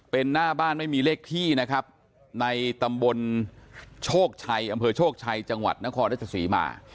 เป็นหน้าบ้านไม่มีเลขที่นะครับในตำบลโชคชัยอำเภอโชคชัยจังหวัดนครราชศรีมา